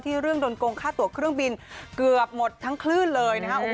เรื่องโดนโกงค่าตัวเครื่องบินเกือบหมดทั้งคลื่นเลยนะครับ